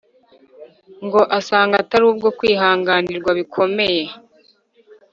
ngo asanga atari ubwo kwihanganirwa bikomeye